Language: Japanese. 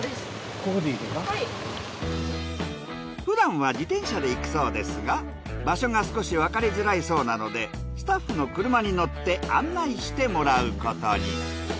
ふだんは自転車で行くそうですが場所が少しわかりづらいそうなのでスタッフの車に乗って案内してもらうことに。